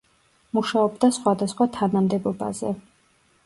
მუშაობდა სხვადასხვა თანამდებობაზე.